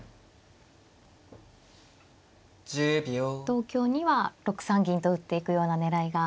同香には６三銀と打っていくような狙いが。